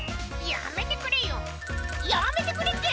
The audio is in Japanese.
やめてくれって。